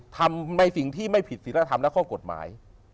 ทำในสิ่งที่ไม่ผิดศิลธรรมและข้อกฎหมาย